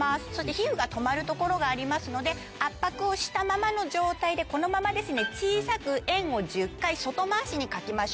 皮膚が止まるところがありますので圧迫をしたままの状態でこのまま小さく円を１０回外回しに描きましょう。